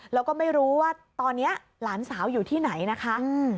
แล้วก็ไม่รู้ว่าตอนนี้หลานสาวอยู่ที่ไหนนะคะ